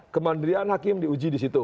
kemandirian hakim diuji di situ